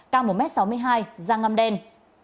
cao một m sáu mươi hai da ngâm đen